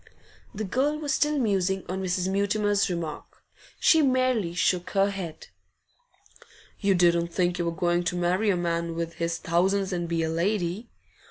The girl was still musing on Mrs. Mutimer's remark; she merely shook her head. 'You didn't think you were going to marry a man with his thousands and be a lady?